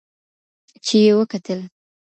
چي یې وکتل